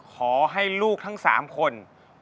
ขอให้ลูกทั้ง๓คน